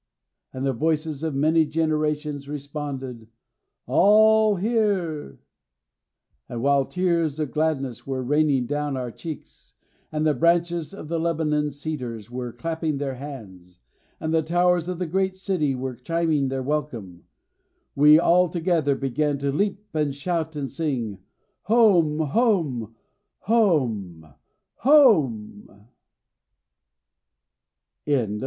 And the voices of many generations responded, 'All here!' And while tears of gladness were raining down our cheeks, and the branches of the Lebanon cedars were clapping their hands, and the towers of the great city were chiming their welcome, we all together began to leap and shout and sing, 'Home, home, home, home!'"